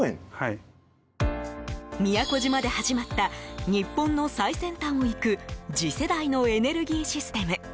宮古島で始まった日本の最先端を行く次世代のエネルギーシステム。